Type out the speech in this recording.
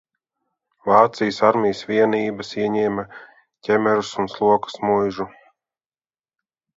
Vācijas armijas vienības ieņēma Ķemerus un Slokas muižu.